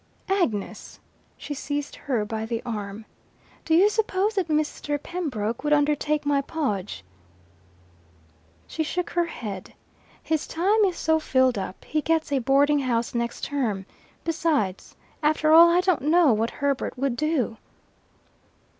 "Agnes!" she seized her by the arm. "Do you suppose that Mr. Pembroke would undertake my Podge?" She shook her head. "His time is so filled up. He gets a boarding house next term. Besides after all I don't know what Herbert would do."